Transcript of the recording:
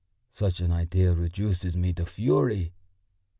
Such an idea reduces me to fury.